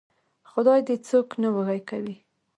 خدای دې څوک نه وږي کوي.